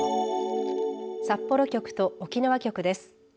札幌局と沖縄局です。